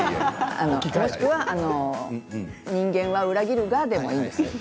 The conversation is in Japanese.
もしくは人間は裏切るがでもいいです。